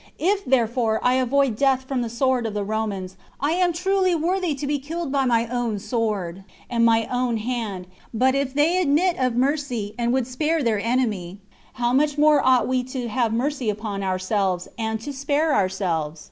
If, therefore, I avoid death from the sword of the Romans, I am truly worthy to be killed by my own sword, and my own hand; but if they admit of mercy, and would spare their enemy, how much more ought we to have mercy upon ourselves, and to spare ourselves?